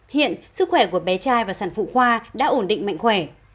hiện sức khỏe của bé trai và sản phụ khoa đã ổn định mạnh khỏe